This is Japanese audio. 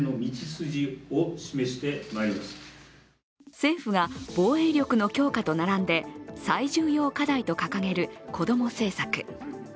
政府が防衛力の強化と並んで最重要課題と掲げる子ども政策。